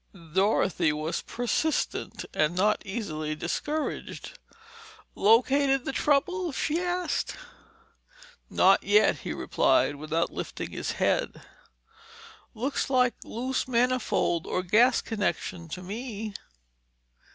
Dorothy was persistent and not easily discouraged. "Located the trouble?" she asked. "Not yet," replied the man without lifting his head. "Looks like loose manifold, or gas connection, to me."